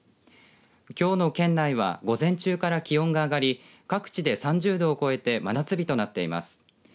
きょうの県内は午前中から気温が上がり各地で３０度を超えて真夏日となっています。